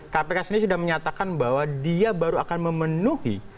kpk sendiri sudah menyatakan bahwa dia baru akan memenuhi